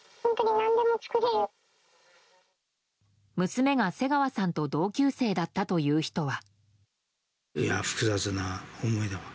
娘が瀬川さんと同級生だったという人は。